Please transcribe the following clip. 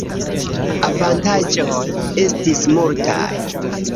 Avantaĝoj estis multaj.